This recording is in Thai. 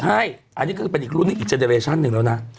ใช่อันนี้ก็เป็นอีกรุ่นอีกเจนเดริเชันนึงแล้วนะ